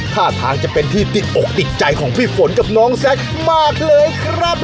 ท่าทางจะเป็นที่ติดอกติดใจของพี่ฝนกับน้องแซคมากเลยครับ